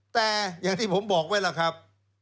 แต่อย่างที่ผมบอกไว้ล่ะครับ